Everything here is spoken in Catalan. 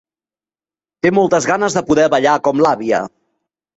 Té moltes ganes de poder ballar com l'àvia!